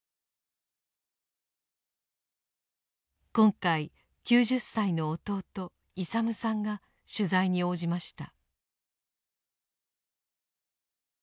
今回９０歳の弟勇さんが取材に応じました。